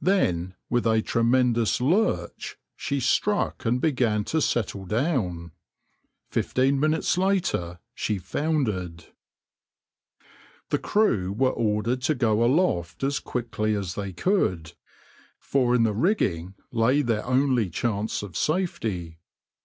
Then with a tremendous lurch she struck and began to settle down. Fifteen minutes later she foundered.\par \vs {\noindent} The crew were ordered to go aloft as quickly as they could, for in the rigging lay their only chance of safety.